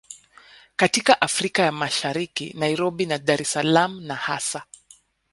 katika Afrika ya Mashariki Nairobi na Dar es Salaam na hasa